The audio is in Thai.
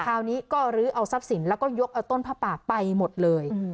คราวนี้ก็ลื้อเอาทรัพย์สินแล้วก็ยกเอาต้นผ้าป่าไปหมดเลย